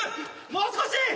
もう少し！